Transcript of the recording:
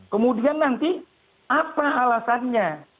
kemudian nanti apa alasannya